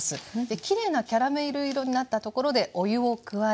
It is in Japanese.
きれいなキャラメル色になったところでお湯を加えて。